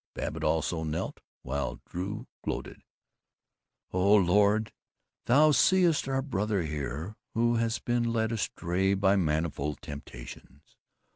Babbitt also knelt, while Drew gloated: "O Lord, thou seest our brother here, who has been led astray by manifold temptations.